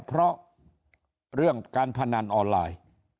เพราะเรื่องการพนันออนไลน์